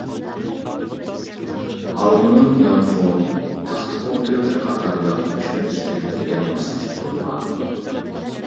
ئالمىنىڭ يانفون، تاختا كومپيۇتېر قاتارلىق كۆچمە ئۈسكۈنىلىرىگە ماسلاشتۇرۇلغان.